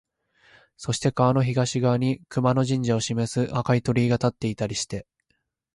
そして川の東側に熊野神社を示す赤い鳥居が立っていたりして、